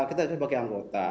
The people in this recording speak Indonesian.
kita sebagai anggota